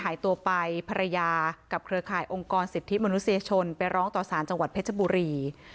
หายตัวไปภรรยากับเครือข่ายองค์กรสิทธิมนุษยชนไปร้องต่อสารจังหวัดเพชรบุรี